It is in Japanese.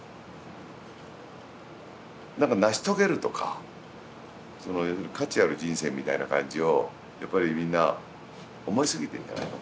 何か成し遂げるとか価値ある人生みたいな感じをやっぱりみんな思いすぎてんじゃないの。